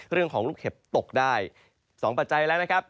เรื่องของลูกเห็บตกได้๒ปัจจัยแล้วนะครับ